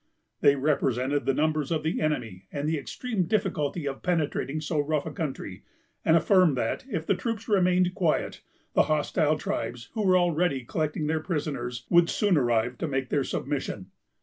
They represented the numbers of the enemy, and the extreme difficulty of penetrating so rough a country; and affirmed that, if the troops remained quiet, the hostile tribes, who were already collecting their prisoners, would soon arrive to make their submission.